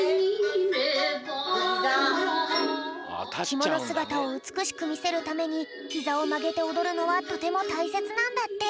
きものすがたをうつくしくみせるためにひざをまげておどるのはとてもたいせつなんだって。